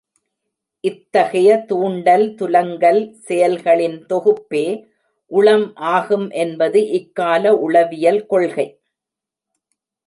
இத்தகைய தூண்டல் துலங்கல் செயல்களின் தொகுப்பே உளம் ஆகும் என்பது இக்கால உளவியல் கொள்கை.